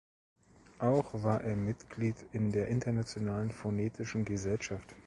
Auch war er Mitglied in der "Internationalen Phonetischen Gesellschaft".